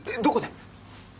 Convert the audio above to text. どこで？